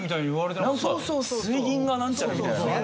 水銀がなんちゃらみたいな。